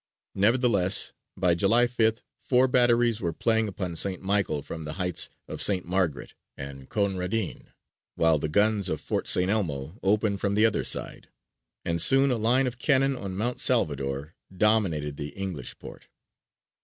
Nevertheless by July 5th four batteries were playing upon St. Michael from the heights of St. Margaret and Conradin, while the guns of Fort St. Elmo opened from the other side; and soon a line of cannon on Mount Salvador dominated the English Port.